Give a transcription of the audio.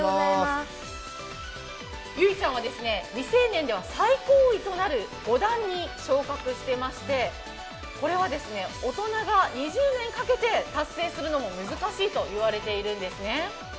ゆいちゃんは未成年では最高位となる５段に昇格してましてこれは大人が２０年かけて達成するのも難しいと言われているんです。